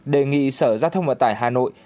đề nghị sở giao thông vận tải hà nội